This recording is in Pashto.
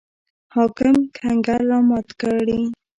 حاکم کنګل رامات کړي.